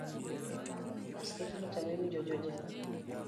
askeche ne otamre winjo jojela.